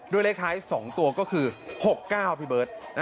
ด้วยเลขคล้าย๒ตัวก็คือ๖เก้าพี่เบิร์ต